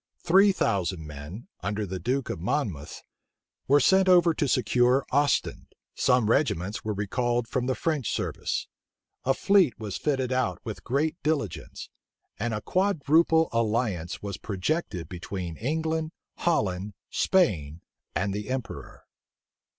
Three thousand men, under the duke of Monmouth, were sent over to secure Ostend: some regiments were recalled from the French service: a fleet was fitted out with great diligence: and a quadruple alliance was projected between England, Holland, Spain, and the emperor.